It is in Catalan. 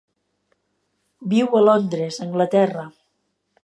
Viu a Londres, Anglaterra.